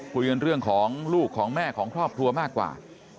คุยกันเรื่องของลูกของแม่ของครอบครัวมากกว่า